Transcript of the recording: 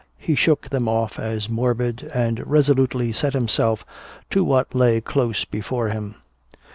He shook them off as morbid, and resolutely set himself to what lay close before him.